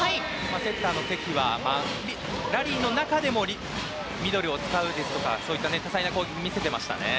セッターの関はラリーの中でもミドルを使うですとかそういった多彩な攻撃を見せていましたね。